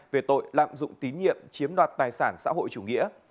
về tội lạm dụng tín nhiệm chiếm đoạt tài sản xã hội chủ nghĩa